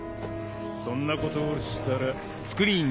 そんなことをしたら。